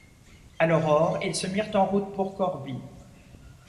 À l'aurore, ils se mirent en route pour Corbie.